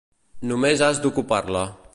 Només has d'ocupar-la.